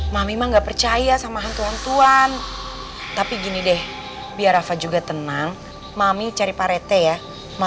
mami mah nggak percaya sama hantu hantu an tapi gini deh biar rafa juga tenang mami cari paketnya